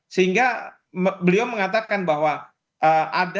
sehingga beliau mengatakan bahwa ada